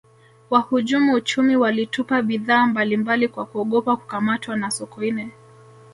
wahujumu uchumi walitupa bidhaa mbali mbali kwa kuogopa kukamatwa na sokoine